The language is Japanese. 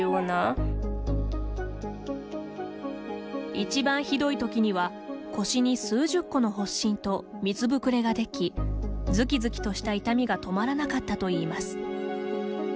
一番ひどい時には腰に数十個の発疹と、水ぶくれができズキズキとした痛みが止まらなかったといいます。